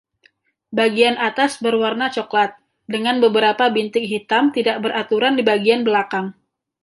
Bagian atas berwarna coklat, dengan beberapa bintik hitam tidak beraturan di bagian belakang.